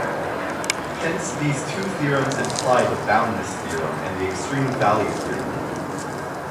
Hence these two theorems imply the boundedness theorem and the extreme value theorem.